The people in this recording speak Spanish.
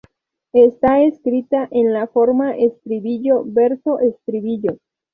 Está escrita en la forma estribillo-verso-estribillo.